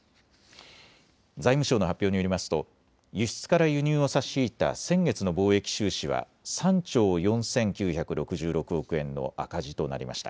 財務省の発表によりますと輸出から輸入を差し引いた先月の貿易収支は３兆４９６６億円の赤字となりました。